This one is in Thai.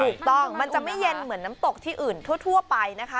มันจะไม่เย็นเหมือนน้ำตกที่อื่นทั่วไปนะคะ